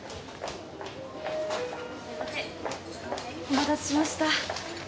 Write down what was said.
お待たせしました。